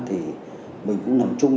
thì mình cũng nằm chung